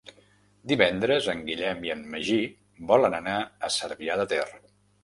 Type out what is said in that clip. Divendres en Guillem i en Magí volen anar a Cervià de Ter.